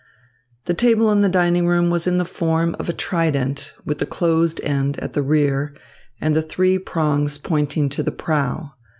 The table in the dining room was in the form of a trident, with the closed end at the rear and the three prongs pointing to the prow.